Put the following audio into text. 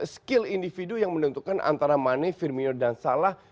skill individu yang menentukan antara mane firmino dan salah